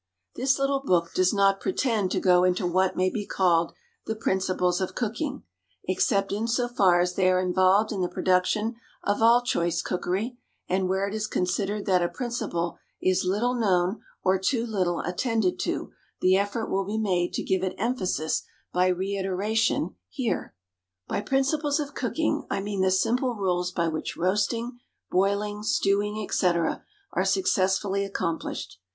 This little book does not pretend to go into what may be called the principles of cooking, except in so far as they are involved in the production of all choice cookery; and where it is considered that a principle is little known or too little attended to, the effort will be made to give it emphasis by reiteration here. By principles of cooking I mean the simple rules by which roasting, boiling, stewing, etc., are successfully accomplished.